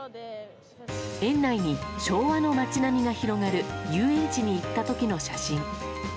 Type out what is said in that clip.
園内に昭和の街並みが広がる遊園地に行った時の写真。